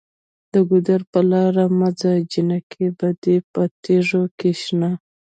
د ګودر په لاره مه ځه جینکۍ به دې په تیږو کې شنه